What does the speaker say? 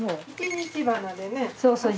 一日花でね。